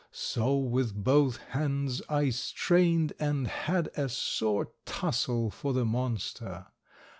So, with both hands, I strained and had a sore tussle for the monster.